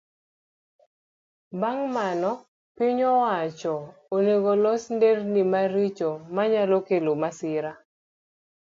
Bang' mano, piny owacho onego los nderni maricho manyalo kelo masira.